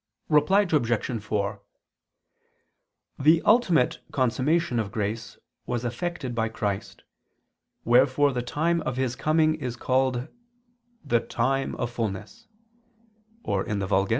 Reply Obj. 4: The ultimate consummation of grace was effected by Christ, wherefore the time of His coming is called the "time of fulness [*Vulg.